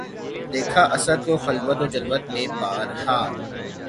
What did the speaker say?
دیکھا اسدؔ کو خلوت و جلوت میں بار ہا